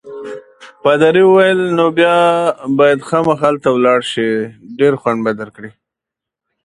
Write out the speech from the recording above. پادري وویل: نو بیا باید خامخا هلته ولاړ شې، ډېر خوند به درکړي.